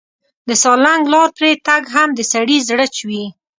د سالنګ لار پرې تګ هم د سړي زړه چوي.